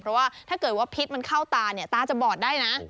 เพราะว่าถ้าเกิดว่าพิษมันเข้าตาเนี่ยตาจะบอดได้นะ